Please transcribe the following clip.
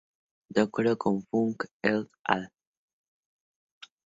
De acuerdo con Funk "et al.